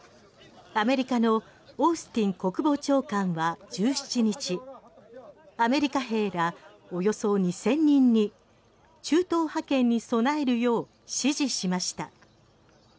アメリカのオースティン国防長官は１７日アメリカ兵らおよそ２０００人に中東派遣に備えるよう指示しました。